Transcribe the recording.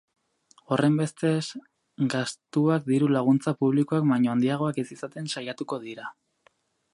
Horrenbestez, gastuak diru-laguntza publikoak baino handiagoak ez izaten saiatuko dira.